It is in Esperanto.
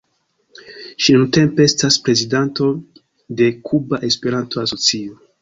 Ŝi nuntempe estas prezidanto de Kuba Esperanto-Asocio.